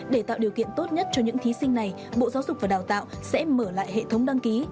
để tạo điều kiện tốt nhất cho những thí sinh này bộ giáo dục và đào tạo sẽ mở lại hệ thống đăng ký